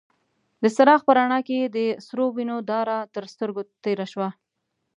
د څراغ په رڼا کې يې د سرو وينو داره تر سترګو تېره شوه.